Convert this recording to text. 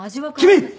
君！